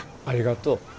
ありがとう。